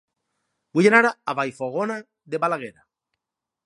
Vull anar a Vallfogona de Balaguer